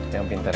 yang pintar ya